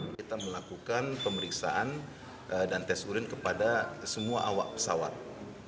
kita melakukan pemeriksaan dan tes urin kepada semua awak pesawat